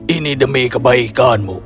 ini demi kebaikanmu